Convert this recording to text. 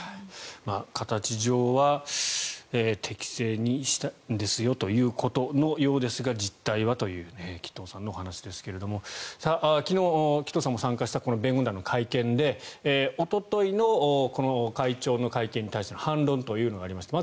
形上は適正にしたんですよということのようですが実態はという紀藤さんのお話ですが昨日、紀藤さんも参加した弁護団の会見でおとといの会長の会見に対しての反論がありました。